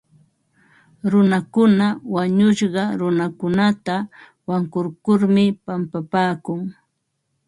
Runakuna wañushqa runakunata wankurkurmi pampapaakun.